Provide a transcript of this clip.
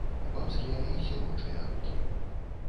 Бабскія і сірочыя рукі!